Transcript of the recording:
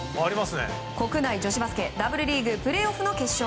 国内女子バスケＷリーグ、プレーオフの決勝。